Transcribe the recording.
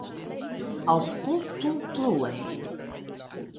Aŭskultu plue!